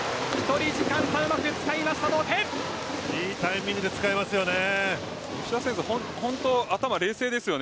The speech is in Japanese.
いいタイミングで使いますよね。